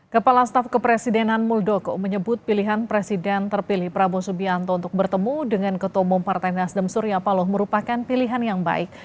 kepala staf kepresidenan muldoko menyebut pilihan presiden terpilih prabowo dan suryapalo untuk bertemu dengan ketomong partai nasdem suryapalo merupakan pilihan yang baik